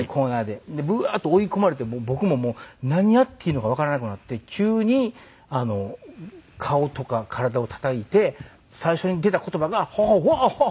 でブワーッと追い込まれて僕ももう何やっていいのかわからなくなって急に顔とか体をたたいて最初に出た言葉が「ホホホイ！